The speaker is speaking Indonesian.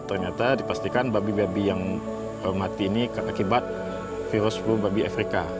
ternyata dipastikan babi babi yang mati ini akibat virus flu babi afrika